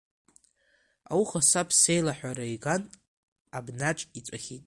Ауха саб сеилаҳәара иган абнаҿ иҵәахит.